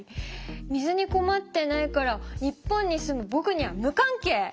水に困ってないから日本に住むボクには無関係！？